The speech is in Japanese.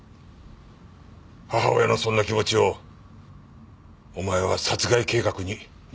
母親のそんな気持ちをお前は殺害計画に利用したんだ。